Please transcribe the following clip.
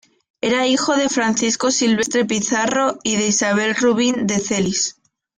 Era hijo de Francisco Silvestre Pizarro y de Isabel Rubín de Celis.